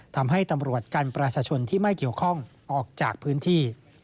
ทำให้ตำรวจกันประชาชนที่ไม่เกี่ยวข้องออกจากพื้นที่